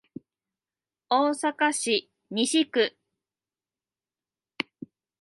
大阪市西区